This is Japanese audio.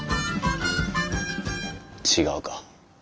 違うか。